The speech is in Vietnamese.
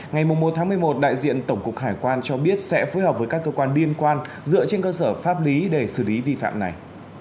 ngày một một mươi một đại diện tổng cục hải quan cho biết sẽ phối hợp với các cơ quan liên quan dựa trên cơ sở pháp lý để xử lý vi phạm này